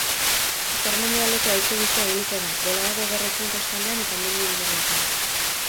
Ipar-mendebaldeko haize bizia ibiliko da, bolada gogorrekin kostaldean eta mendi inguruetan.